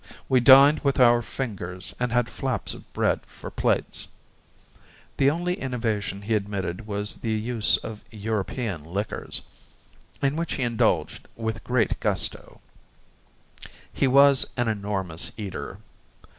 We dined with our fingers, and had flaps of bread for plates; the only innovation he admitted was the use of European liquors, in which he indulged with great gusto. He was an enormous eater.